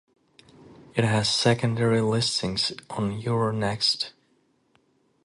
It has secondary listings on Euronext.